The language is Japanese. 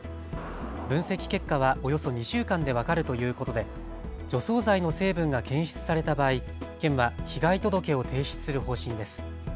分析結果はおよそ２週間で分かるということで除草剤の成分が検出された場合、県は被害届を提出する方針です。